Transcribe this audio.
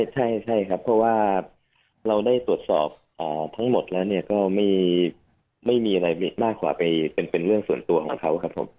ใช่ครับเพราะว่าเราได้ตรวจสอบทั้งหมดแล้วเนี่ยก็ไม่มีอะไรมากกว่าไปเป็นเรื่องส่วนตัวของเขาครับผม